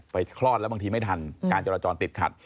คลอดแล้วบางทีไม่ทันการจราจรติดขัด